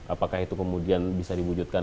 apakah itu kemudian bisa diwujudkan